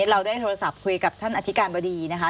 เราได้โทรศัพท์คุยกับท่านอธิการบดีนะคะ